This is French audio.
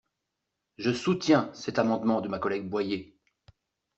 Je soutiens cet amendement de ma collègue Boyer.